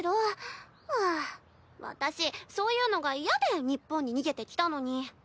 そういうのが嫌で日本に逃げてきたのに。